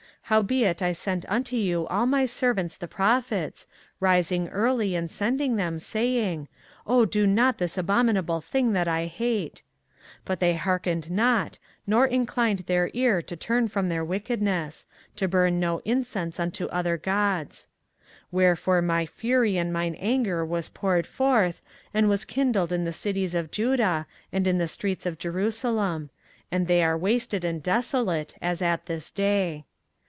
24:044:004 Howbeit I sent unto you all my servants the prophets, rising early and sending them, saying, Oh, do not this abominable thing that I hate. 24:044:005 But they hearkened not, nor inclined their ear to turn from their wickedness, to burn no incense unto other gods. 24:044:006 Wherefore my fury and mine anger was poured forth, and was kindled in the cities of Judah and in the streets of Jerusalem; and they are wasted and desolate, as at this day.